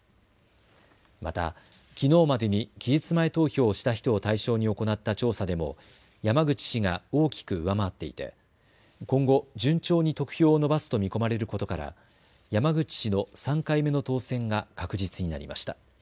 またきのうまでに期日前投票をした人を対象に行った調査でも山口氏が大きく上回っていて今後、順調に得票を伸ばすと見込まれることから山口氏の３回目の当選が確実になりました。